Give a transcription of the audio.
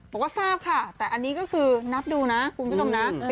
บอกว่าทราบค่ะแต่อันนี้ก็คือนับดูนะคุณผู้ชมนะ